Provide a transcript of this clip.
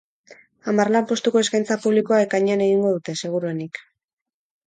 Hamar lanpostuko eskaintza publikoa ekainean egingo dute, seguruenik.